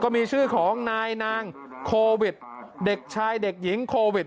มีชื่อของนายนางโควิดเด็กชายเด็กหญิงโควิด